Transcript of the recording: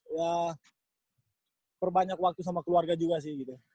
jadi terlalu banyak waktu sama keluarga juga sih gitu